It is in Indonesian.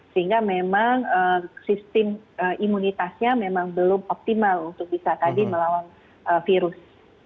sehingga memang sistem imunitasnya memang belum optimal untuk bisa tadi melawan virus